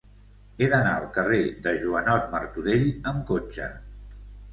He d'anar al carrer de Joanot Martorell amb cotxe.